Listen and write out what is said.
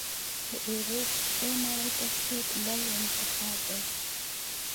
د ایورېټ څو نړۍ تفسیر بل انتخاب دی.